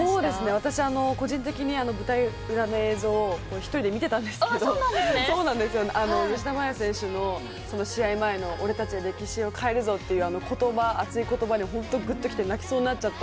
私は個人的に、舞台裏の映像を一人で見ていたんですけど吉田麻也選手の試合前の俺たちは歴史を変えるぞというあの言葉熱い言葉に本当にぐっときて泣きそうになっちゃった。